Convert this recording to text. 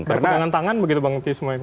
tentu dengan tangan begitu bang oke semuanya